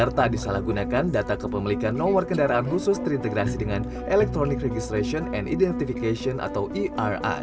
agar tak disalah gunakan data kepemilikan nomor kendaraan khusus terintegrasi dengan electronic registration and identification atau eri